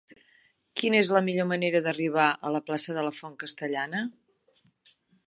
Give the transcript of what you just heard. Quina és la millor manera d'arribar a la plaça de la Font Castellana?